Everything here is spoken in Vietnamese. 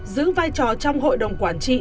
giữ vai trò trong hội đồng quản trị